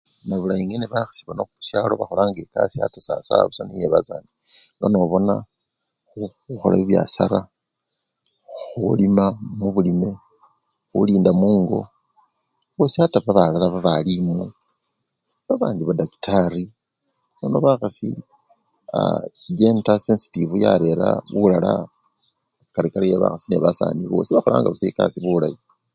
Nabulayi ngene bakhasi bano khusyalo bakholanga ekasii ata sawasawa nga yebasani nga nobona khukhola bibyasara, khulima mubulime, khulinda mungo bosi ate nebalala babalimu, babandi badactari nono bakhasi chenda sisitifu yarera bulala akarikari ebakhasi nebasani ee! bosi bakholanga busa ekasii bulayi